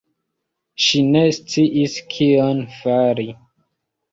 Ŝi ne sciis kion fari.